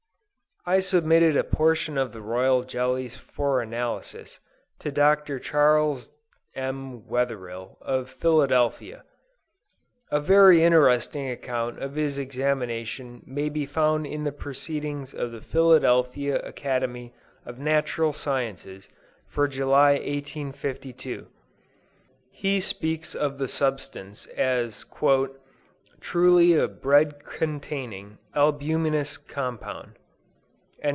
I submitted a portion of the royal jelly for analysis, to Dr. Charles M. Wetherill, of Philadelphia; a very interesting account of his examination may be found in the proceedings of the Phila. Academy of Nat. Sciences for July, 1852. He speaks of the substance as "truly a bread containing, albuminous compound."